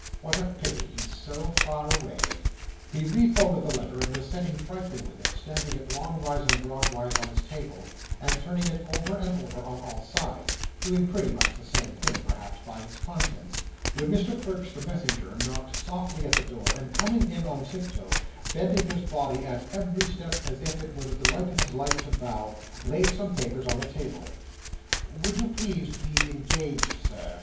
What a pity he's so far away!" He refolded the letter, and was sitting trifling with it, standing it long wise and broad wise on his table, and turning it over and over on all sides—doing pretty much the same thing, perhaps, by its contents—when Mr Perch the messenger knocked softly at the door, and coming in on tiptoe, bending his body at every step as if it were the delight of his life to bow, laid some papers on the table. "Would you please to be engaged, Sir?"